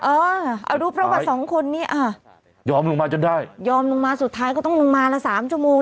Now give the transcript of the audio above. เออเอาดูประวัติสองคนนี้อ่ะยอมลงมาจนได้ยอมลงมาสุดท้ายก็ต้องลงมาละสามชั่วโมง